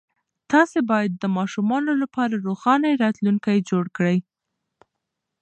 تاسې باید د ماشومانو لپاره روښانه راتلونکی جوړ کړئ.